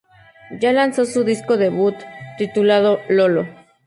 Ya lanzó su su disco debut, titulado "Lolo".